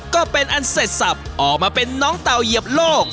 ก็เป็นอันเสร็จสับออกมาเป็นน้องเต่าเหยียบโลก